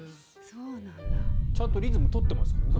ちゃんとリズムを取っていますからね。